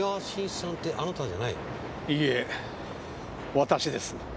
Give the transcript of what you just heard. いいえ私です。